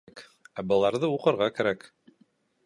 Ә быларҙы уҡырға кәрәк.